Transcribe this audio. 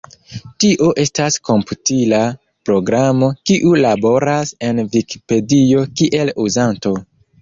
Tio estas komputila programo, kiu laboras en Vikipedio kiel uzanto.